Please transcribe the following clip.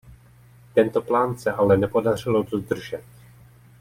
Tento plán se ale nepodařilo dodržet.